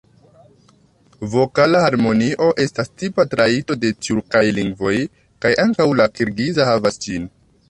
Vokala harmonio estas tipa trajto de tjurkaj lingvoj, kaj ankaŭ la kirgiza havas ĝin.